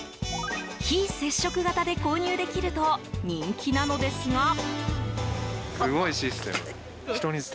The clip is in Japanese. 非接触型で購入できると人気なのですが。